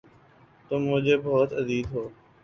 تم مجھے بہت عزیز ہو